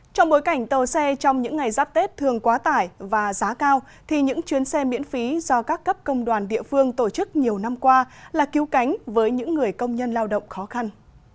trong bối cảnh tàu xe trong những ngày giáp tết thường quá tải và giá cao thì những chuyến xe miễn phí do các cấp công đoàn địa phương tổ chức nhiều năm qua là cứu cánh với những người công nhân lao động khó khăn